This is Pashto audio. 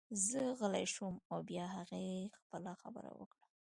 زه غلی شوم او بیا هغې خپله خبره وکړه